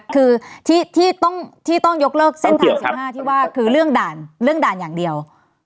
คือที่ต้องยกเลิกเส้นทาง๑๕คือเรื่องด่านอย่างเดียว